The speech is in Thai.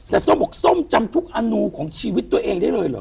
แต่ส้มบอกส้มจำทุกอนูของชีวิตตัวเองได้เลยเหรอ